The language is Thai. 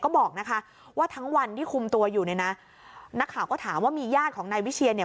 ก็บอกนะคะว่าทั้งวันที่คุมตัวอยู่เนี่ยนะนักข่าวก็ถามว่ามีญาติของนายวิเชียนเนี่ย